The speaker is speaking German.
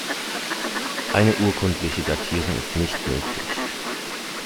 Eine urkundliche Datierung ist nicht möglich.